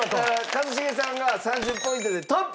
一茂さんが３０ポイントでトップです！